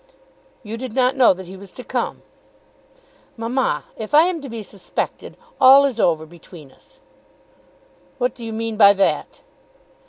"You did not know that he was to come?" "Mamma, if I am to be suspected, all is over between us." "What do you mean by that?"